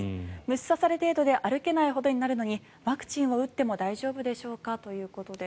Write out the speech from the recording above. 虫刺され程度で歩けないほどになるのにワクチンを打っても大丈夫でしょうか？ということです。